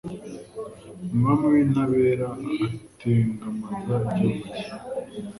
Umwami w’intabera atengamaza igihugu cye